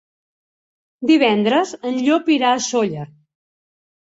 Divendres en Llop irà a Sóller.